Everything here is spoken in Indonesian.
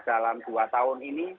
dalam dua tahun ini